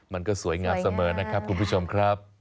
มันก็สวยงามเสมอนะครับคุณผู้ชมครับ